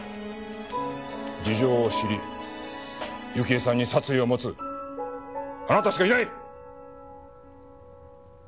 事情を知り幸恵さんに殺意を持つあなたしかいない！